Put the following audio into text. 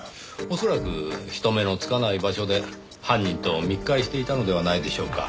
恐らく人目のつかない場所で犯人と密会していたのではないでしょうか。